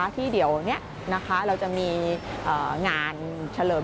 ที่เดี๋ยวนี้เราจะมีงานเฉลิม